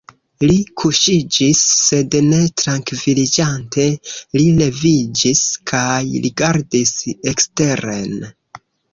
Li kuŝiĝis sed ne trankviliĝante li leviĝis kaj rigardis eksteren.